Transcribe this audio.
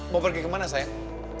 mau pergi ke mana sayang